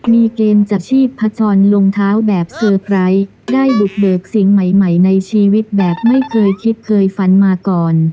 มีเกณฑ์จากชีพจรลงเท้าแบบเซอร์ไพรส์ได้บุกเบิกสิ่งใหม่ในชีวิตแบบไม่เคยคิดเคยฝันมาก่อน